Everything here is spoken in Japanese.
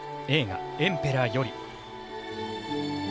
映画「エンペラー」より。